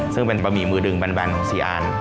ซึ่งเป็นบะหมี่มือดึงแบนของ๔อัน